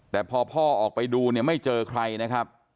แต่พอพ่อออกไปดูเนี่ยไม่เจอใครนะครับ